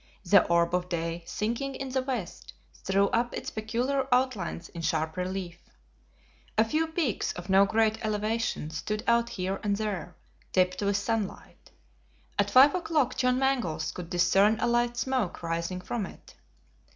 The orb of day sinking in the west, threw up its peculiar outlines in sharp relief. A few peaks of no great elevation stood out here and there, tipped with sunlight. At five o'clock John Mangles could discern a light smoke rising from it.